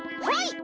はい！